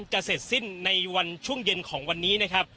จะเสร็จสิ้นในวันช่วงเย็นของวันนี้นะครับ